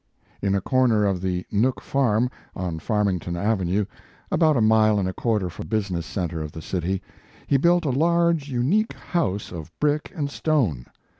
In a corner of the Nook Farm, on Farmington avenue, about a mile and a quarter from the business center of the city, he built a large, unique house of brick and stone.